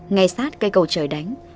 ngay sát cây cầu trời đánh